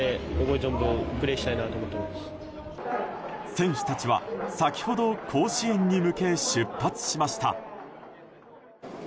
選手たちは先ほど甲子園に向け出発しました。